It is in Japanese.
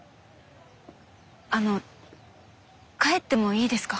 あの帰ってもいいですか？